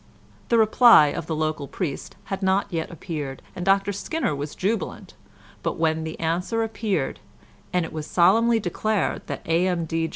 The reply of the local priest had not yet appeared, and Dr Skinner was jubilant, but when the answer appeared, and it was solemnly declared that A.M.